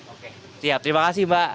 oke siap terima kasih mbak